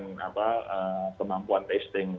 ya kita terus berupaya ya untuk meningkatkan